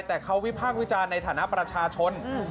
แต่เขาวิพากษ์วิจารณ์ในฐานะประชาชน